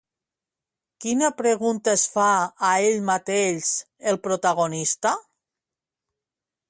Quina pregunta es fa a ell mateix el protagonista?